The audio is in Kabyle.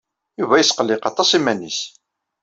Yuba yesqelliq aṭas iman-nnes.